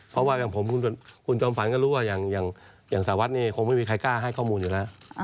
เพราะว่ากับผมฮุนจอมฝันก็รู้ว่างอย่างจะสาวรรค์นี่คงไม่มีใครกล้าให้ข้อมูลอยู่นะ